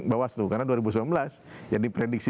bawaslu karena dua ribu sembilan belas yang diprediksi